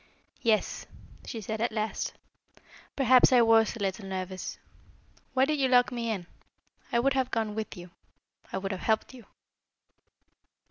"Yes," she said at last. "Perhaps I was a little nervous. Why did you lock me in? I would have gone with you. I would have helped you."